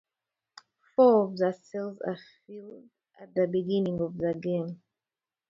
Four of the cells are filled at the beginning of the game.